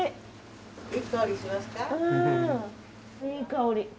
いい香り！